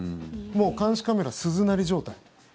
もう監視カメラ鈴なり状態。